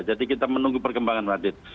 jadi kita menunggu perkembangan mbak dit